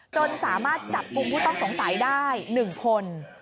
จนสามารถจับกลุ่มผู้ต้องสงสัยได้๑คน